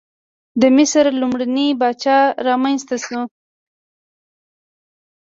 د مصر لومړنۍ پاچاهي رامنځته شوه.